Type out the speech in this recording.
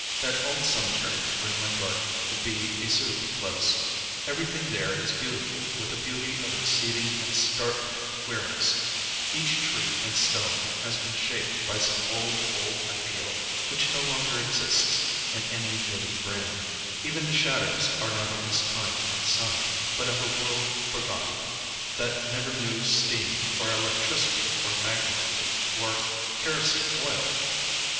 That old cemetery behind my garden would be a suitable place. Everything there is beautiful with a beauty of exceeding and startling queerness; each tree and stone has been shaped by some old, old ideal which no longer exists in any living brain; even the shadows are not of this time and sun, but of a world forgotten, that never knew steam or electricity or magnetism orŌĆökerosene oil!